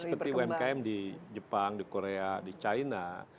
seperti umkm di jepang di korea di china